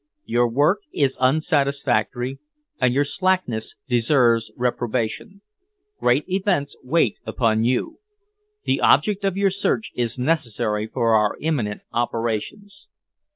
Your work is unsatisfactory and your slackness deserves reprobation. Great events wait upon you. The object of your search is necessary for our imminent operations.